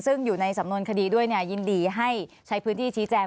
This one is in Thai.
ซึ่งอยู่ในสำนวนคดีด้วยยินดีให้ใช้พื้นที่ชี้แจง